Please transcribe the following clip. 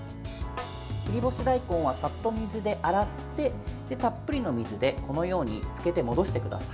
切り干し大根はさっと水で洗ってたっぷりの水でつけて戻してください。